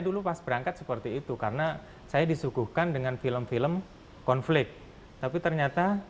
dulu pas berangkat seperti itu karena saya disuguhkan dengan film film konflik tapi ternyata